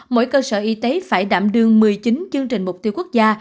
mỗi cơ sở y tế phải đảm đương một mươi chín chương trình mục tiêu quốc gia